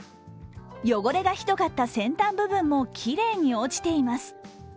汚れがひどかった先端部分もきれいに落ちています。